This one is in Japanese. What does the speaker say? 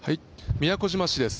宮古島市です。